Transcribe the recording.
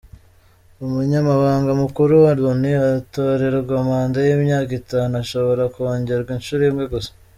Umunyamabanga Mukuru wa Loni atorerwa manda y’imyaka itanu ishobora kongerwa inshuro imwe gusa.